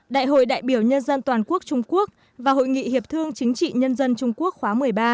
đại hội đại biểu nhân dân toàn quốc trung quốc và hội nghị hiệp thương chính trị nhân dân trung quốc khóa một mươi ba